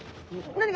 何が？